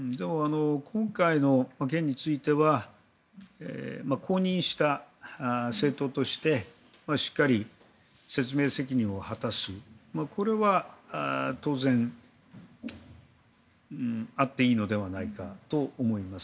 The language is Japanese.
今回の件については公認した政党としてしっかり説明責任を果たすこれは当然あっていいのではないかと思います。